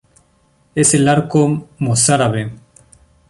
Es el arco mozárabe.